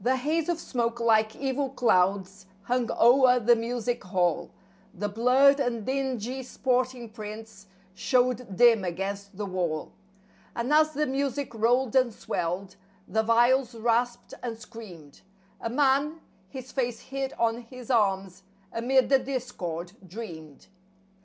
HAZE of smoke, like evil clouds, hung o'er the music hall; The blurred and dingy sporting prints showed dim against the wall; And as the music rolled and swelled; the viols rasped and screamed, A man, his face hid on his arms, amid the discord dreamed.